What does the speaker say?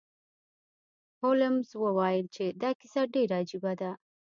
هولمز وویل چې دا کیسه ډیره عجیبه ده.